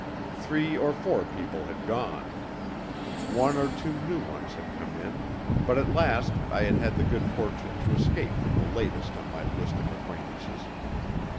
Three or four people had gone. One or two new ones had come in, but at last I had had the good fortune to escape from the latest on my list of acquaintances.